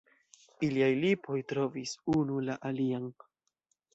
Iliaj lipoj trovis unu la alian.